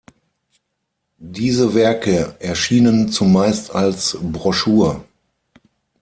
Diese Werke erschienen zumeist als Broschur.